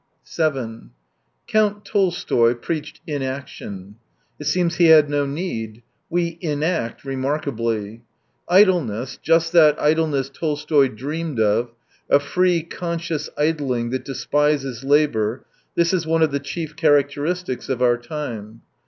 7 Count Tolstoy preached inaction. It seems he had no need. We " inact " remarkably. Idleness, just that idleness Tolstoy dreamed of, a free, conscious idling that despises labour, this is one of the chief characteristics of our time.